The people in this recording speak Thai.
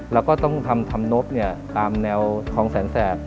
เราก็ต้องทำทำนบตามแนวคองแสนแสบ